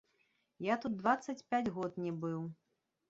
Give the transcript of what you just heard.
Я тут дваццаць пяць год не быў.